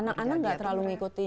anak anak enggak terlalu mengikuti